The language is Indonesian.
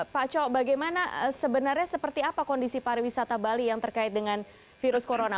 pak co bagaimana sebenarnya seperti apa kondisi pariwisata bali yang terkait dengan virus corona